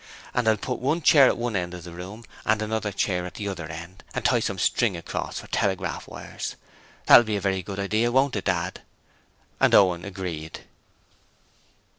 And I'll put one chair at one end of the room and another chair at the other end, and tie some string across for telegraph wires. That'll be a very good idea, won't it, Dad?' and Owen agreed.